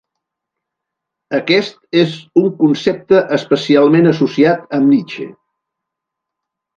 Aquest és un concepte especialment associat amb Nietzsche.